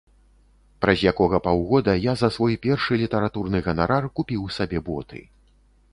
Праз якога паўгода я за свой першы літаратурны ганарар купіў сабе боты.